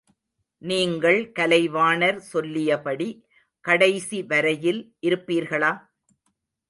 நீங்கள் கலைவாணர் சொல்லியபடி கடைசி வரையில் இருப்பீர்களா?